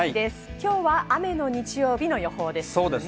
今日は雨の日曜日の予報です。